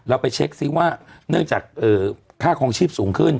เราไปเช็คซิว่าเนื่องจากค่าความความชีพสูงขึ้น